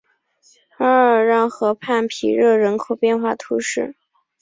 阿尔让河畔皮热人口变化图示